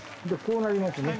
こうなりますね